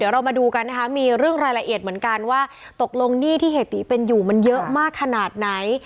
เรามาดูกันนะคะมีเรื่องรายละเอียดเหมือนกันว่าตกลงหนี้ที่เฮติเป็นอยู่มันเยอะมากขนาดไหน